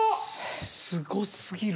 すごすぎる！